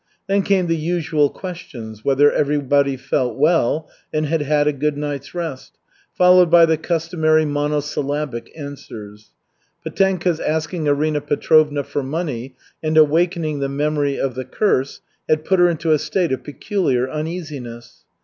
Then came the usual questions, whether everybody felt well, and had had a good night's rest, followed by the customary monosyllabic answers. Petenka's asking Arina Petrovna for money and awakening the memory of the "curse" had put her into a state of peculiar uneasiness.